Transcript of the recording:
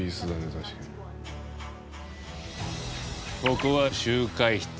ここは集会室。